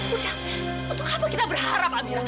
ucap untuk apa kita berharap amira